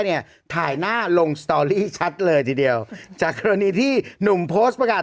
เนี้ยถ่ายหน้าลงชัดเลยทีเดียวจากครณีที่หนุ่มประกาศ